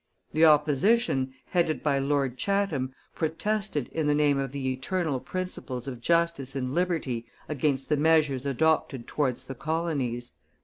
The opposition, headed by Lord Chatham, protested in the name of the eternal principles of justice and liberty against the measures adopted towards the colonies.